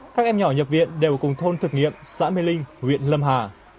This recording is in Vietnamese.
các em nhỏ nhập viện đều cùng thôn thực nghiệm xã mê linh huyện lâm hà